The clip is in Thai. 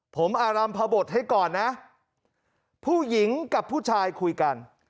ผมอารำพบทให้ก่อนนะผู้หญิงกับผู้ชายคุยกัน